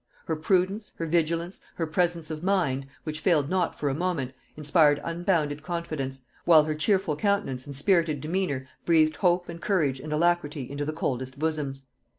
Her prudence, her vigilance, her presence of mind, which failed not for a moment, inspired unbounded confidence, while her cheerful countenance and spirited demeanour breathed hope and courage and alacrity into the coldest bosoms.